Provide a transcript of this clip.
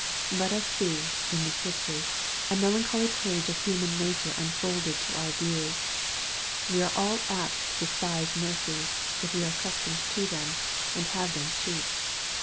Let us see, in this history, a melancholy page of human nature unfolded to our view. We are all apt to despise mercies, if we are accustomed to them, and have them cheap.